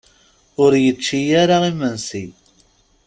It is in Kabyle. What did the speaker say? Ur yečči ara imensi.